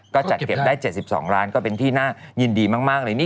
ก็จัดเก็บได้๗๒ล้านก็เป็นที่น่ายินดีมากเลยนี่